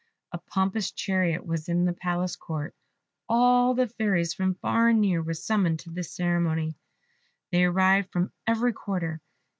A pompous chariot was in the palace court. All the fairies from far and near were summoned to this ceremony; they arrived from every quarter.